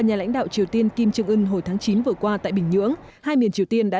nhà lãnh đạo triều tiên kim trương ưn hồi tháng chín vừa qua tại bình nhưỡng hai miền triều tiên đã